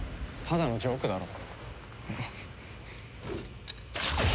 ただのジョークだろ。